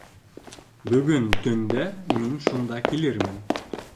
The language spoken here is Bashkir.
Бөгөн төндә мин шунда килермен.